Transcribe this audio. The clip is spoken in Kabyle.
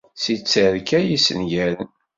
Si tterka yessengaren.